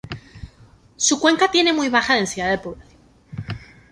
Su cuenca tiene muy baja densidad de población.